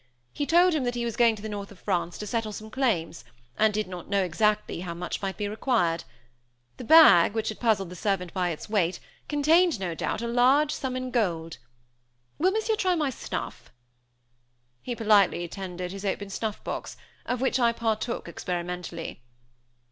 He told him that he was going to the north of France to settle some claims, and did not know exactly how much might be required. The bag, which had puzzled the servant by its weight, contained, no doubt, a large sum in gold. Will Monsieur try my snuff?" He politely tendered his open snuff box, of which I partook, experimentally.